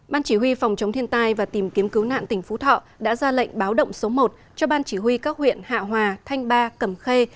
ban chỉ huy phòng chống thiên tai và tìm kiếm cứu nạn tỉnh phú thọ đã ra lệnh báo động số một cho ban chỉ huy các huyện hạ hòa thanh ba cầm khê